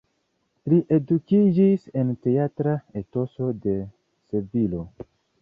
Li edukiĝis en teatra etoso de Sevilo.